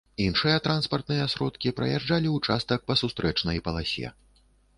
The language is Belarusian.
Іншыя транспартныя сродкі праязджалі ўчастак па сустрэчнай паласе.